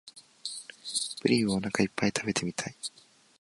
プリンをおなかいっぱい食べてみたい